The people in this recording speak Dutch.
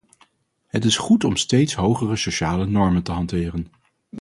Het is goed om steeds hogere sociale normen te hanteren.